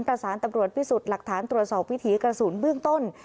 ประสานตำรวจพิสูจน์หลักฐานตรวจสอบวิถีกระสุนเบื้องต้น